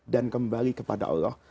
dan kembali kepada allah